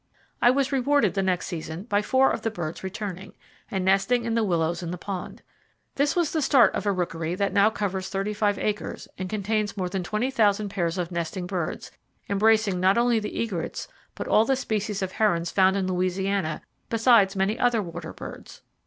I was rewarded the next season by four of the birds returning, and nesting in the willows in the pond. This was the start of a rookery that now covers 35 acres, and contains more than twenty thousand pairs of nesting birds, embracing not only the egrets but all the species of herons found in Louisiana, besides many other water birds.